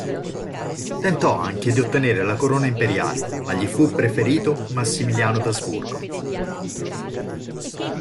Tentò anche di ottenere la corona imperiale ma gli fu preferito Massimiliano d'Asburgo.